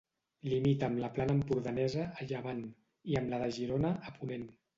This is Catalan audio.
Limita amb la plana empordanesa, a llevant, i amb la de Girona, a ponent.